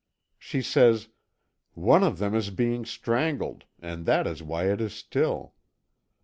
She says, "One of them is being strangled, and that is why it is still."